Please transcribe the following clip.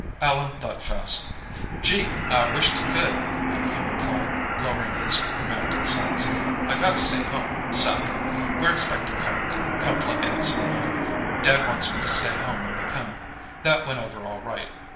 Allan thought fast. "Gee, I wisht I c'ld," he replied, lowering his grammatical sights. "I gotta stay home, 'safter. We're expectin' comp'ny; coupla aunts of mine. Dad wants me to stay home when they come." That went over all right.